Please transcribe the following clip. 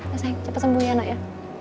ya sayang cepet sembuh ya anak ya